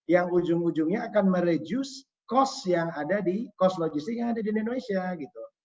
yang ujung ujungnya akan mereduce cost yang ada di cost logistik yang ada di indonesia gitu